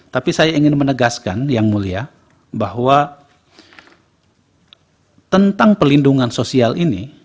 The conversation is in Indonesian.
tapi saya ingin menegaskan yang mulia bahwa tentang pelindungan sosial ini